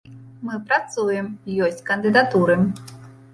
Мы працуем, ёсць кандыдатуры.